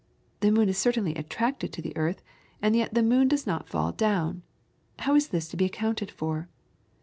The moon is certainly attracted to the earth, and yet the moon does not fall down; how is this to be accounted for?